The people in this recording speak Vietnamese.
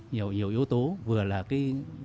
nhiều yếu tố vừa là cái